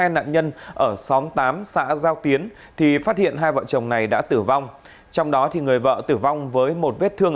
hai nạn nhân ở xóm tám xã giao tiến thì phát hiện hai vợ chồng này đã tử vong trong đó người vợ tử vong với một vết thương